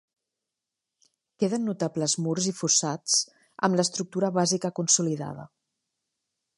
Queden notables murs i fossats, amb l'estructura bàsica consolidada.